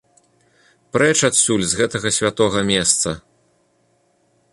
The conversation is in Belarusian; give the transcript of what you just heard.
Прэч адсюль, з гэтага святога месца!